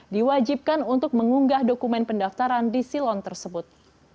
diwajibkan untuk mengunggah dokumen pendaftaran di silon tersebut